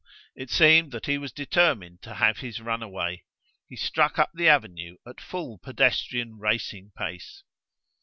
It seemed that he was determined to have his runaway: he struck up the avenue at full pedestrian racing pace.